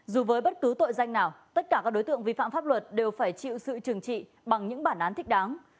dù với bất cứ tội danh nào tất cả các đối tượng vi phạm pháp luật đều phải chịu sự trừng trị bằng những bản án thích đáng